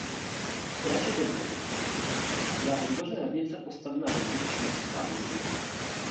V téže době byla ve dvoře radnice postavena rovněž městská věznice.